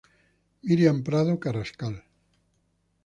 Miriam Prado Carrascal